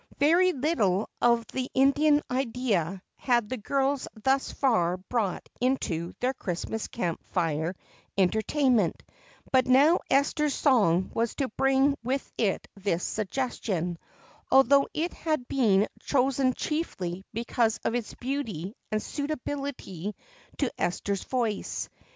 Very little of the Indian idea had the girls thus far brought into their Christmas Camp Fire entertainment, but now Esther's song was to bring with it this suggestion, although it had been chosen chiefly because of its beauty and suitability to Esther's voice.